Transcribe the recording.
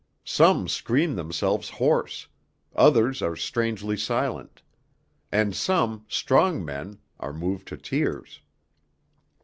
Some scream themselves hoarse; others are strangely silent; and some strong men are moved to tears.